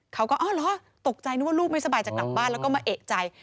เขาก็อ๋อเหรอตกใจนึกว่าลูกไม่สบายจะกลับบ้านแล้วก็มาเอกใจ